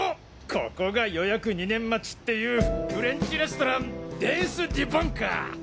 ここが予約２年待ちっていうフレンチレストランデェース・デュ・ヴォンか！